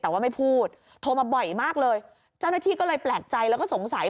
แต่ว่าไม่พูดโทรมาบ่อยมากเลยเจ้าหน้าที่ก็เลยแปลกใจแล้วก็สงสัย